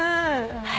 はい。